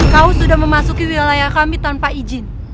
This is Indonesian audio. kau sudah memasuki wilayah kami tanpa izin